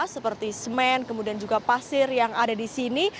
seperti semen kemudian juga pasir yang ada di sini